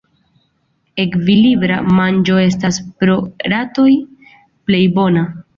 Ekvilibra manĝo estas por ratoj plej bona.